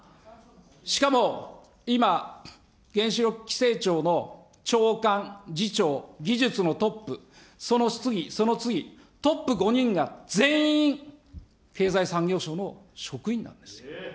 しかも今、原子力規制庁の長官、次長、技術のトップ、その次、その次、トップ５人が全員経済産業省の職員なんです。